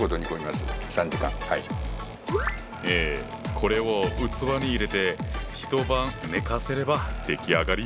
これを器に入れて一晩寝かせれば出来上がり。